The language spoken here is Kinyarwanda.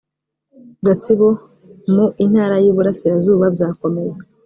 gatsibo mu intara y iburasirazuba byakomeye